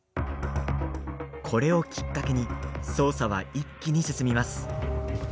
これをきっかけに捜査は一気に進みます。